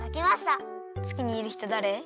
つきにいるひとだれ？